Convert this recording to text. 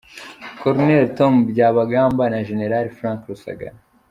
Col. Tom Byabagamba na Gen Frank Rusagara